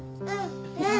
うん！